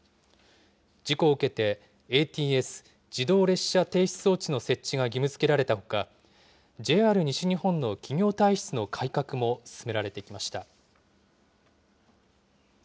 事故を受けて、ＡＴＳ・自動列車停止装置の設置が義務づけられたほか、ＪＲ西日本の企業体質の改革も進められてきました。